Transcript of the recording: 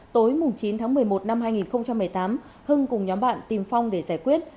tối chín tháng một mươi một năm hai nghìn một mươi tám hưng cùng nhóm bạn tìm phong để giải quyết